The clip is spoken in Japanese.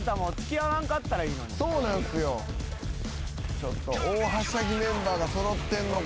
ちょっと大はしゃぎメンバーが揃ってんのか。